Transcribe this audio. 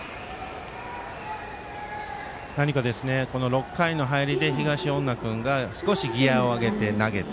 ６回の入りで東恩納君が少しギヤを入れて投げた。